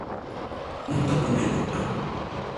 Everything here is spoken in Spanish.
Junto con el Dr.